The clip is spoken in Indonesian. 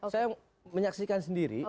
saya menyaksikan sendiri